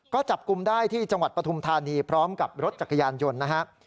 ก็จับกลุ่มได้ที่จังหวัดปฐุมธานีพร้อมกับรถจักรยานยนต์นะครับ